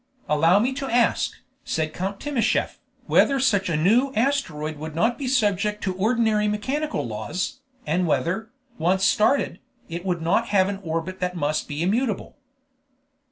"Allow me to ask," said Count Timascheff, "whether such a new asteroid would not be subject to ordinary mechanical laws, and whether, once started, it would not have an orbit that must be immutable?"